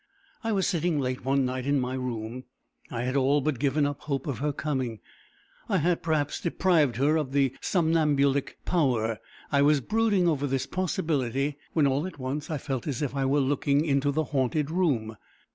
I was sitting late one night in my room. I had all but given up hope of her coming. I had, perhaps, deprived her of the somnambulic power. I was brooding over this possibility, when all at once I felt as if I were looking into the haunted room.